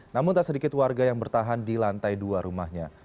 namun tak sedikit warga yang bertahan di lantai dua rumahnya